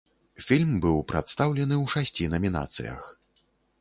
Фільм быў прадстаўлены ў шасці намінацыях.